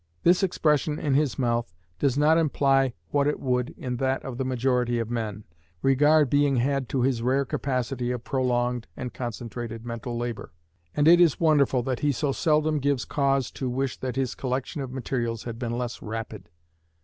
This expression in his mouth does not imply what it would in that of the majority of men, regard being had to his rare capacity of prolonged and concentrated mental labour: and it is wonderful that he so seldom gives cause to wish that his collection of materials had been less "rapid."